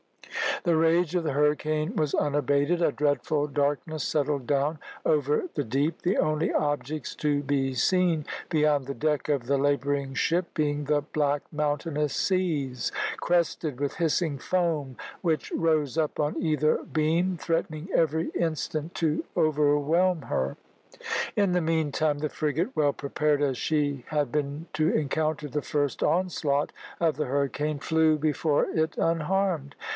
The rage of the hurricane was unabated a dreadful darkness settled down over the deep; the only objects to be seen beyond the deck of the labouring ship being the black mountainous seas, crested with hissing foam, which rose up on either beam, threatening every instant to overwhelm her. In the meantime the frigate, well prepared as she had been to encounter the first onslaught of the hurricane, flew before it unharmed.